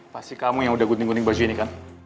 pasti kamu yang udah gunting gunting baju ini kan